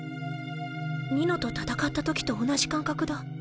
ニノと戦った時と同じ感覚だ。